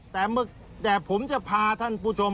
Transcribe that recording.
แต่ผมจะพาท่านผู้ชม